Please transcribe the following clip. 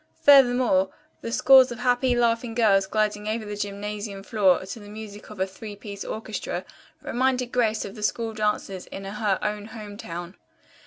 Furthermore, the scores of happy, laughing girls gliding over the gymnasium floor to the music of a three piece orchestra reminded Grace of the school dances in her own home town.